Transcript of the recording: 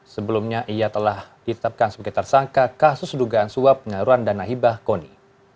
sebelumnya ia telah ditetapkan sebagai tersangka kasus sedugaan suap pengaruhan danahibah koni